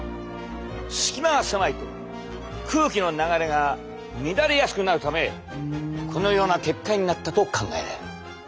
隙間が狭いと空気の流れが乱れやすくなるためこのような結果になったと考えられる。